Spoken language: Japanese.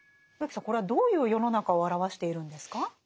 植木さんこれはどういう世の中を表しているんですか？